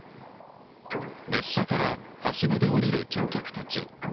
列車からはしごで降りる乗客たち。